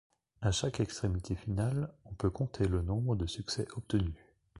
À chaque extrémité finale, on peut compter le nombre de succès obtenus.